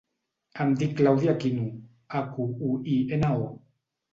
Em dic Clàudia Aquino: a, cu, u, i, ena, o.